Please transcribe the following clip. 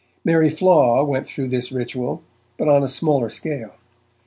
Mary Flaw went through this ritual, but on a smaller scale.